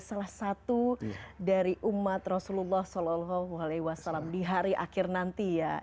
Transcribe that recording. salah satu dari umat rasulullah saw di hari akhir nanti ya